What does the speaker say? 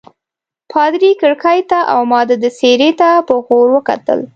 پادري کړکۍ ته او ما د ده څېرې ته په غور وکتل.